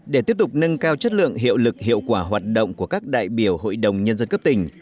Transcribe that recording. để tiếp tục nâng cao chất lượng hiệu lực hiệu quả hoạt động của các đại biểu hội đồng nhân dân cấp tỉnh